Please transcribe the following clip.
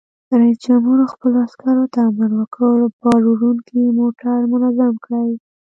رئیس جمهور خپلو عسکرو ته امر وکړ؛ بار وړونکي موټر منظم کړئ!